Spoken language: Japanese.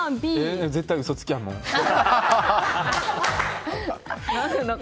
絶対、嘘つきやもん。